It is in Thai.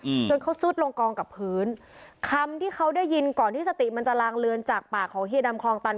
อืมจนเขาซุดลงกองกับพื้นคำที่เขาได้ยินก่อนที่สติมันจะลางเลือนจากปากของเฮียดำคลองตัน